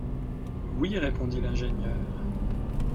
Oui, répondit l’ingénieur.